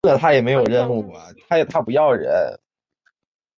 叶城沙蜥为鬣蜥科沙蜥属的爬行动物。